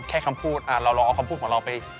แค่คำพูดเราลองเอาคำพูดของเราไป